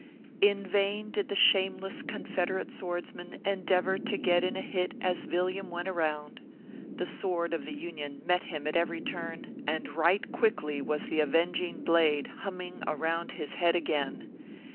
In vain did the shameless Confederate swordsman endeavor to get in a hit as Villiam went round ; the sword of the Union met him at every turn, and right 268 ORPHEUS C. KERR PAPERS. quickly was the avenging blade humming around his head again.